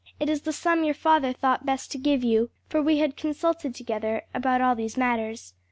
"It is the sum your father thought best to give you for we had consulted together about all these matters.